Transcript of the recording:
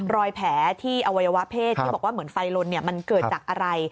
รอยแผลที่อวัยวะเพศที่บอกว่าเหมือนไฟลนมันเกิดจากอะไร